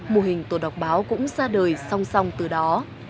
mô hình tổ đọc báo cũng ra đời song song từ đó